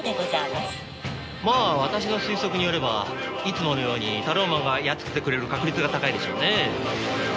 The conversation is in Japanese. まあ私の推測によればいつものようにタローマンがやっつけてくれる確率が高いでしょうね。